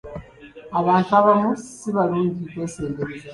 Abantu abamu si balungi kwesembereza.